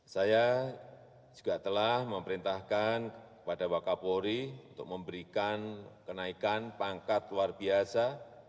saya juga telah memerintahkan kepada wakapori untuk memberikan kenaikan pangkat luar biasa